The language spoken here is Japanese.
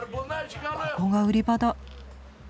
ここが売り場だ。